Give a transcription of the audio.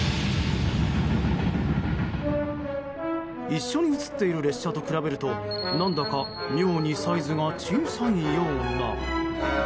一緒に映っている列車と比べると何だか妙にサイズが小さいような。